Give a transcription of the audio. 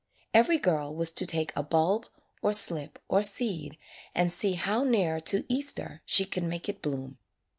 Every girl was to take a bulb, or slip, or seed and see how near to Easter she could make it bloom.